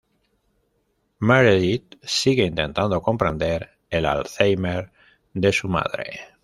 Meredith sigue intentando comprender el Alzheimer de su madre.